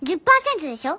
１０％でしょ？